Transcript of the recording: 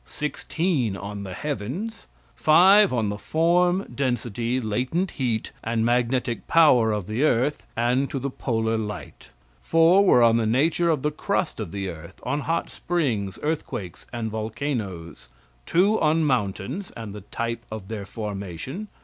Sixteen on the heavens. Five on the form, density, latent heat, and magnetic power of the earth, and to the polar light. Four were on the nature of the crust of the earth, on hot springs, earthquakes and volcanoes. Two on mountains, and the type of their formation.